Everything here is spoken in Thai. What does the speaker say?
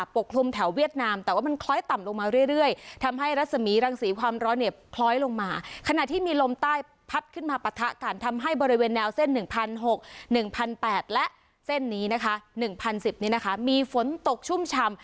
พันแปดและเส้นนี้นะคะหนึ่งพันสิบนี้นะคะมีฝนตกชุ่มฉ่ำ